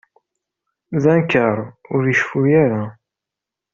D anekkar ur iceffu ara.